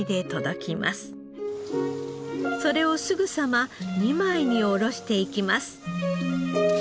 それをすぐさま２枚に下ろしていきます。